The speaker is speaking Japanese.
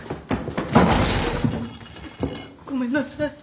ごめんなさい。